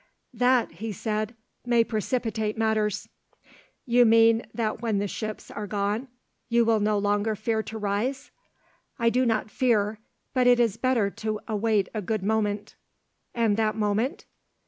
"That," he said, "may precipitate matters." "You mean that when the ships are gone you will no longer fear to rise?" "I do not fear; but it is better to await a good moment." "And that moment?"